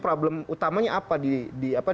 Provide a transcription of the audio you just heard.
problem utamanya apa